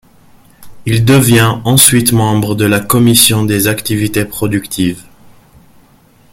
Il devient ensuite membre de la commission des Activités productives.